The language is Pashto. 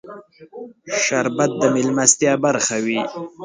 شربت د مېلمستیا برخه وي